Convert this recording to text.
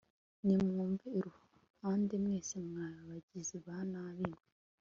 nimumve iruhande mwese, mwa bagizi ba nabi mwe